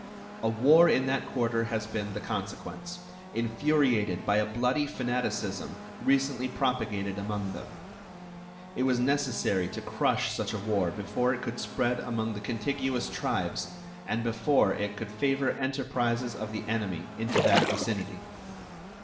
A war in that quarter has been the consequence, infuriated by a bloody fanaticism recently propagated among them. It was necessary to crush such a war before it could spread among the contiguous tribes and before it could favor enterprises of the enemy into that vicinity.